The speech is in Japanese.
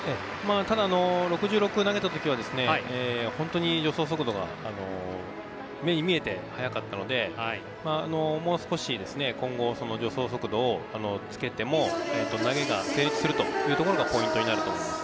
ただ、６６を投げたときは助走速度が目に見えて速かったのでもう少し今後助走速度をつけても投げが成立するというところがポイントになると思います。